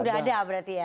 sudah ada berarti ya